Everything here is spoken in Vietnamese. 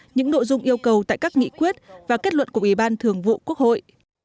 những nội dung yêu cầu tại các nghị quyết và kết luận của ủy ban thường vụ quốc hội